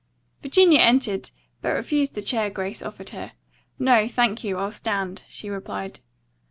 Virginia entered, but refused the chair Grace offered her. "No, thank you, I'll stand," she replied.